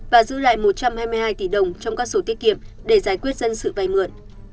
và giữ lại một trăm hai mươi hai tỷ đồng trong các sổ tiết kiệm để giải quyết dân sự vay mượn